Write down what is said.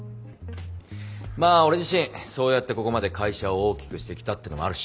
まあ俺自身そうやってここまで会社を大きくしてきたっていうのもあるし。